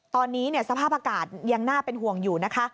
ตอนนี้สภาพอากาศยังน่าเป็นห่วงอยู่นะคะ